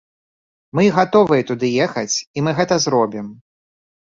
Мы гатовыя туды ехаць і мы гэта зробім.